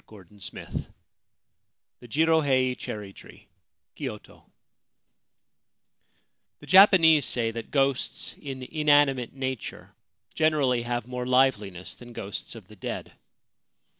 301 XLVIII THE 'JIROHEI' CHERRY TREE, KYOTO THE Japanese say that ghosts in inanimate nature gener ally have more liveliness than ghosts of the dead.